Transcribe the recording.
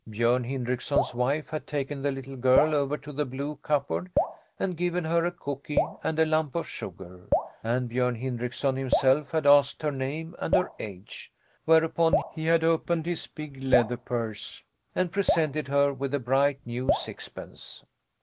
Björn Hindrickson's wife had taken the little girl over to the blue cupboard, and given her a cookie and a lump of sugar, and Björn Hindrickson himself had asked her name and her age; whereupon he had opened his big leather purse and presented her with a bright new sixpence.